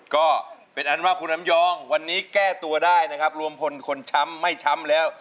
ก็เป็นอันว่าคุณอำยองวันนี้แก้ตัวได้นะครับรวมพลคนช้ำไม่ช้ำแล้ว